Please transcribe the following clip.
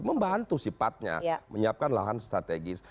membantu sifatnya menyiapkan lahan strategis